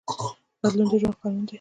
بدلون د ژوند قانون دی.